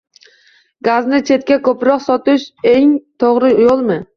Gazni chetga ko‘proq sotish eng to‘g‘ri yo‘lmi?